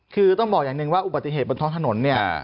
คือต้องบอกอย่างหนึ่งว่าอุบัติเหตุบนท้องถนนเนี่ย